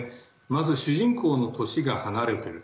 まず、主人公の年が離れてる。